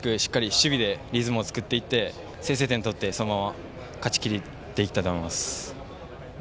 しっかり守備でリズムを作っていって先制点を取って、そこから勝ちきりたいと思います。